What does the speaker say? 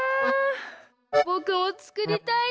ぼくもつくりたいな。